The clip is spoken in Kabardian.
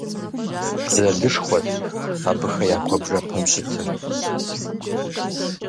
Дзэлышхуэт абыхэ я куэбжэпэм щытыр.